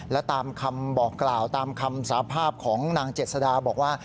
และตามคำบอกกล่าวตามคำสาภาพของนางเจษดาบอกว่า